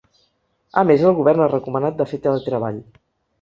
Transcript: A més, el govern ha recomanat de fer teletreball.